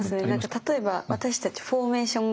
例えば私たちフォーメーション